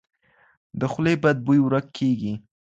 د خولې بد بوی ورک کیږي.